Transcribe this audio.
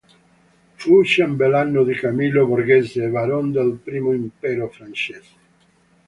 Fu Ciambellano di Camillo Borghese e Baron del Primo Impero Francese.